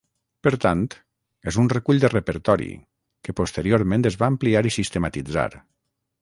Per tant, és un recull de repertori, que posteriorment es va ampliar i sistematitzar.